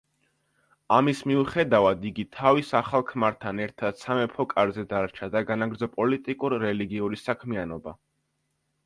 ამის მიუხედავად, იგი თავის ახალ ქმართან ერთად სამეფო კარზე დარჩა და განაგრძო პოლიტიკურ-რელიგიური საქმიანობა.